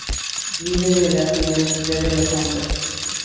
Viven de la generosidad de los hombres.